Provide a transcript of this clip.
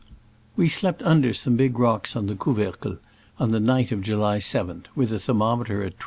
We slept under some big rocks on the Couvercle on the night of July 7, with the thermometer at 26.